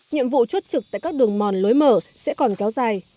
nhiệm vụ chốt trực tại các đường mòn lối mở sẽ còn kéo dài